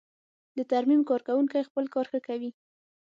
د ترمیم کارکوونکی خپل کار ښه کوي.